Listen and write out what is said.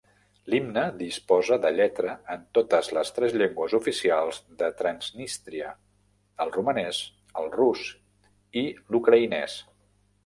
L'himne disposa de lletra en totes les tres llengües oficials de Transnistria: el romanès, el rus i ucraïnès.